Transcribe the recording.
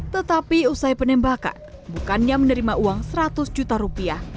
tetapi usai penembakan bukannya menerima uang seratus juta rupiah